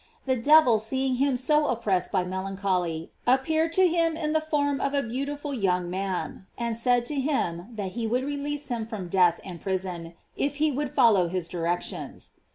The devil seeing him so oppressed by melancholy, appeared to him in the form of a beautiful young man, and said to him that he would release him from death and prison, if he would follow his directions.